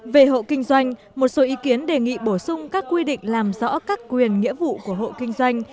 về hộ kinh doanh một số ý kiến đề nghị bổ sung các quy định làm rõ các quyền nghĩa vụ của hộ kinh doanh